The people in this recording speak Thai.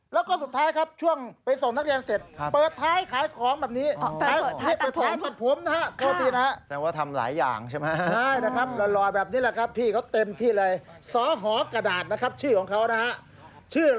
แล้วก็สุดท้ายครับช่วงไปส่งนักเรียนเสร็จ